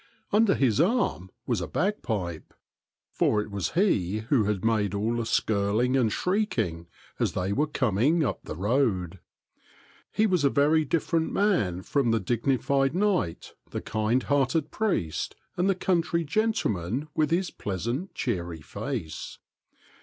Under his arm was a bagpipe, for it was he who had made all the skirling and shrieking as they were com ing up the road. He was a very difi^erent man from the dignified knight, the kind hearted priest, and the country gentleman with his pleasant, cheery face.